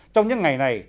trong những ngày này